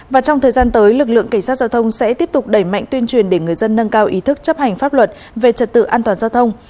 và trong thời gian tới lực lượng cảnh sát giao thông sẽ tiếp tục đẩy mạnh tuyên truyền để người dân nâng cao ý thức chấp hành pháp luật về trật tự an toàn giao thông